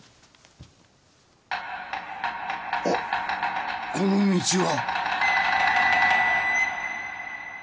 あっこの道は。